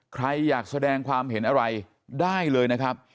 ใครอยากแสดงความเห็นอะไรได้เลยนะครับ